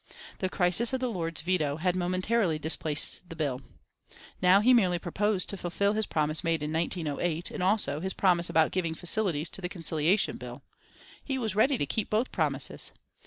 The crisis of the Lord's veto, had momentarily displaced the bill. Now he merely proposed to fulfil his promise made in 1908, and also his promise about giving facilities to the Conciliation Bill. He was ready to keep both promises.